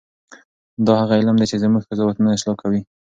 دا هغه علم دی چې زموږ قضاوتونه اصلاح کوي.